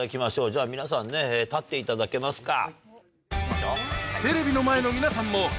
じゃあ皆さんね立っていただけますか。